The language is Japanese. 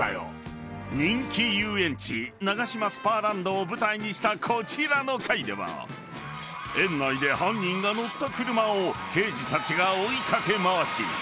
［人気遊園地ナガシマスパーランドを舞台にしたこちらの回では園内で犯人が乗った車を刑事たちが追い掛け回し］